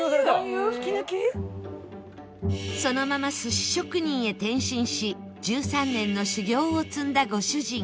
そのまま寿司職人へ転身し１３年の修業を積んだご主人